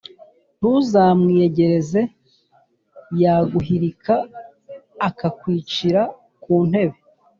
Ntuzamwiyegereze, yaguhirika akakwicarira ku ntebe